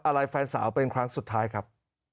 อะไรแฟนสาวเป็นครั้งสุดท้ายครับ